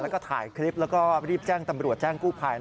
แล้วก็ถ่ายคลิปแล้วก็รีบแจ้งตำรวจแจ้งกู้ภัย